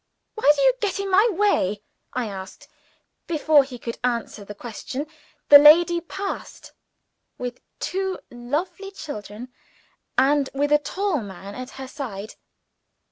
"Why do you get in my way?" I asked. Before he could answer the question the lady passed, with two lovely children, and with a tall man at her side.